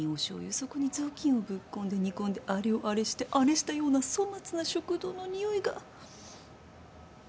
そこに雑巾をぶっ込んで煮込んであれをあれしてあれしたような粗末な食堂のにおいが。